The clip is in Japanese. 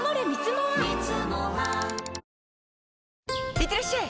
いってらっしゃい！